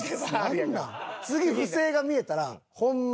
次不正が見えたらホンマ